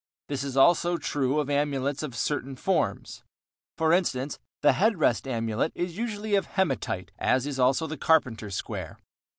This is also true of amulets of certain forms. For instance, the head rest amulet is usually of hematite as is also the carpenter's square.